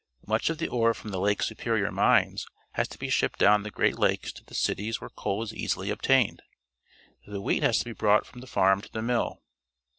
Much of the ore from the Lake Superior mines has to be shipped down the Great Lakes to the cities where coal is easily obtained. The wheat has to be brought from the farm to the mill.